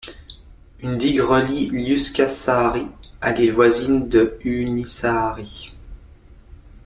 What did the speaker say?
Une digue relie Liuskasaari à l'île voisine de Uunisaari.